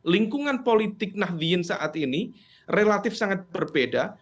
lingkungan politik nahdien saat ini relatif sangat berbeda